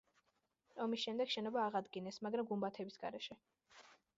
ომის შემდეგ შენობა აღადგინეს, მაგრამ გუმბათების გარეშე.